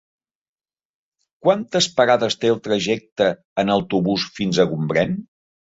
Quantes parades té el trajecte en autobús fins a Gombrèn?